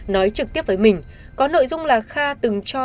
nói trực tiếp với mình có nội dung là kha từng cho